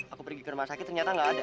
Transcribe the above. aku pergi ke rumah sakit ternyata nggak ada